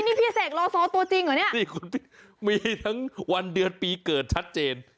นี่พี่เสกโลโซตัวจริงเหรอเนี่ยมีทั้งวันเดือนปีเกิดชัดเจน